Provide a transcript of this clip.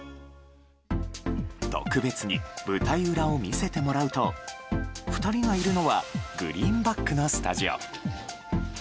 特別に舞台裏を見せてもらうと２人がいるのはグリーンバックのスタジオ。